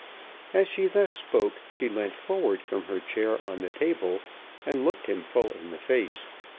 As she thus spoke she leant forward from her chair on the table, and looked him full in the face.